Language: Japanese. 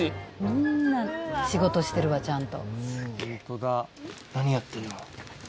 みんな仕事してるわちゃんと。